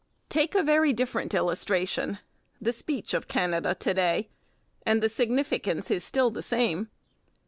Take a very different illustration the speech of Canada to day and the significance is still the same.